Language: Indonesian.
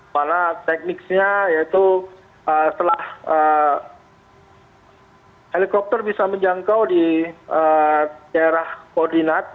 karena tekniknya yaitu setelah helikopter bisa menjangkau di daerah koordinat